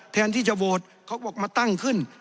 แทนที่จะโหวตเขาก็บอกมาตั้งขึ้น